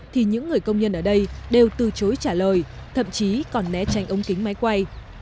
thì những người công nhân ở đây đều từ chối trả lời thậm chí còn né tránh ống kính máy quay